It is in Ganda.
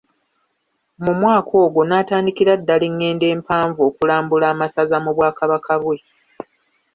Mu mwaka ogwo n'atandikira ddala ennendo empanvu okulambula amasaza mu Bwakabaka bwe.